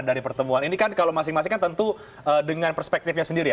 dari pertemuan ini kan kalau masing masing kan tentu dengan perspektifnya sendiri ya